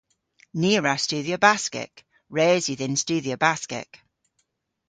Ni a wra studhya Baskek. Res yw dhyn studhya Baskek.